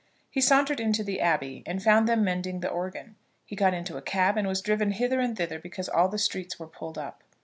He sauntered into the Abbey, and found them mending the organ. He got into a cab and was driven hither and thither because all the streets were pulled up.